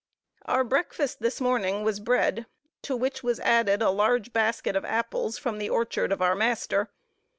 Our breakfast this morning was bread, to which was added a large basket of apples, from the orchard of our master.